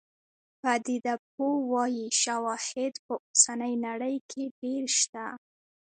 پدیده پوه وايي شواهد په اوسنۍ نړۍ کې ډېر شته.